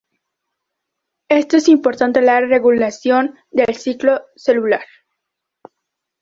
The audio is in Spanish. Esto es importante en la regulación del ciclo celular.